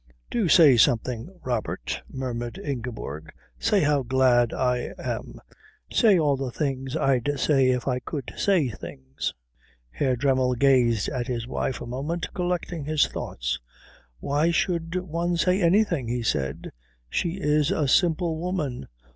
"Do say something, Robert," murmured Ingeborg. "Say how glad I am. Say all the things I'd say if I could say things." Herr Dremmel gazed at his wife a moment collecting his thoughts. "Why should one say anything?" he said. "She is a simple woman.